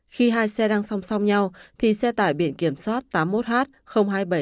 khi hai xe đang song song nhau thì xe tải biển kiểm soát tám mươi một h sáu nghìn năm trăm chín mươi tám